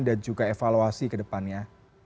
dan juga evaluasi ke depannya